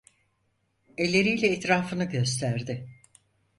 Elleriyle etrafını gösterdi...